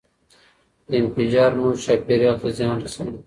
د انفجار موج چاپیریال ته زیان رسوي.